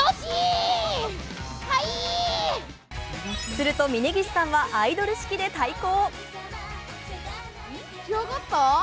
すると峯岸さんはアイドル式で対抗。